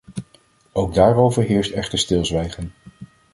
Ook daarover heerst echter stilzwijgen.